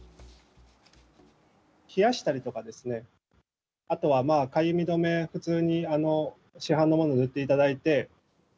冷やしたりとかですね、あとはまあかゆみ止め、普通に市販のものを塗っていただいて。